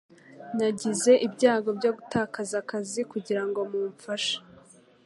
Nagize ibyago byo gutakaza akazi kugirango mumfashe